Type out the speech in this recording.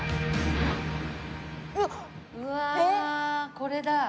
うわこれだ。